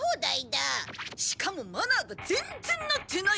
しかもマナーが全然なってない！